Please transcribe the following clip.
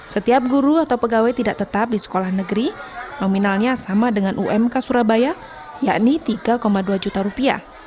setiap guru atau pegawai tidak tetap di sekolah negeri nominalnya sama dengan umk surabaya yakni tiga dua juta rupiah